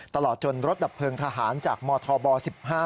ตลอดจนรถดับเพลิงทหารจากมธบ๑๕